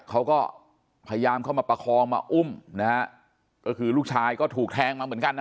เขาก็พยายามเข้ามาประคองมาอุ้มนะฮะก็คือลูกชายก็ถูกแทงมาเหมือนกันนะ